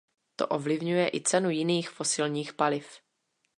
To ovlivňuje i cenu jiných fosilních paliv.